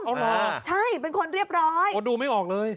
อ๋อเนอะใช่เป็นคนเรียบร้อยพี่โบมดูไม่ออกเลย